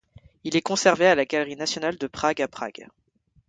Il est conservé à la galerie nationale de Prague à Prague.